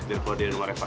dan klo di rumah eva